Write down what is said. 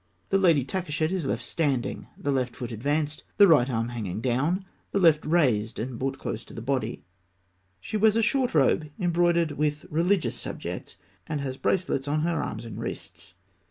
The Lady Takûshet is standing, the left foot advanced, the right arm hanging down, the left raised and brought close to the body (fig. 279). She wears a short robe embroidered with religious subjects, and has bracelets on her arms and wrists.